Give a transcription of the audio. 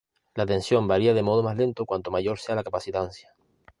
La tensión varía de modo más lento cuanto mayor sea la capacitancia.